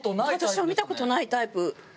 私も見た事ないタイプ。